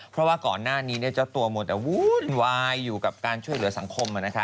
เพราะว่าก่อนหน้านี้เจ้าตัวหมดแต่วุ่นวายอยู่กับการช่วยเหลือสังคม